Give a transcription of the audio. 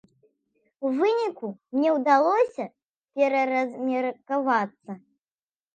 У выніку мне ўдалося пераразмеркавацца.